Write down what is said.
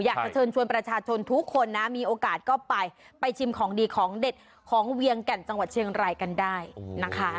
อยากจะเชิญชวนประชาชนทุกคนนะมีโอกาสก็ไปไปชิมของดีของเด็ดของเวียงแก่นจังหวัดเชียงรายกันได้นะคะ